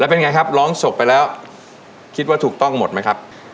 เป็นไงครับร้องศพไปแล้วคิดว่าถูกต้องหมดไหมครับ